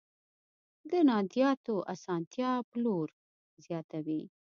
د تادیاتو اسانتیا پلور زیاتوي.